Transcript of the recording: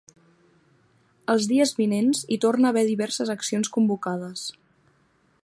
Els dies vinents hi torna a haver diverses accions convocades.